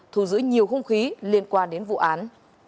thù giữ nhiều không khí liên quan đến vụ án